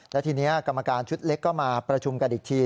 และทีนี้กรรมการชุดเล็กก็มาประชุมกันอีกที